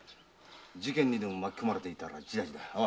事件にでも巻き込まれていたら一大事だ。